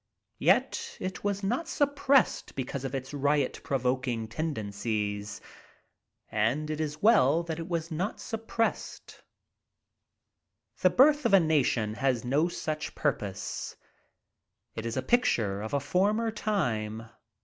Yet it was not suppressed because of its riot provoking tenden cies. And it is well that it was not suppressed. "The Birth of a Nation" has no such purpose. It is a picture of a former time.